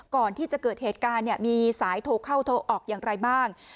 ก่อนที่จะเกิดเหตุการณ์มีสายโทรเข้าโทรออกอย่างไรบ้าง